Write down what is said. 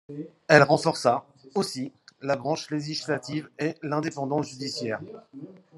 Elle renforça, aussi, la branche législative et l'indépendance judiciaire.